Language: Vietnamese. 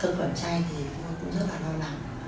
cơ phẩm chay thì nó cũng rất là lo lắng